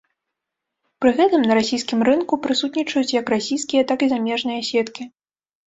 Пры гэтым на расійскім рынку прысутнічаюць як расійскія, так і замежныя сеткі.